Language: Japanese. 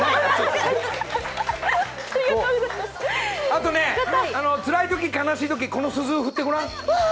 あとね、つらいとき、悲しいとき、このすずを振ってごらん。